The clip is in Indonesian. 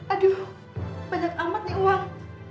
aduh banyak amat nih uang